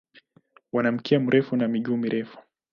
Wana mkia mrefu na miguu mirefu.